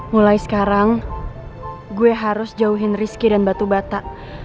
mulai sekarang gue harus jauhin rizky dan batu bata